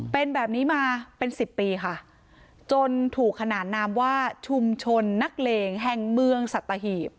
เป็นแบบนี้มาเป็นสิบปีค่ะจนถูกขนานนามว่าชุมชนนักเลงแห่งเมืองสัตหีบ